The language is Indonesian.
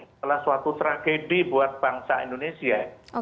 adalah suatu tragedi buat bangsa indonesia